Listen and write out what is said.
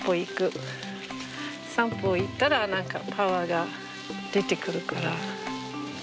散歩いったらなんかパワーが出てくるから。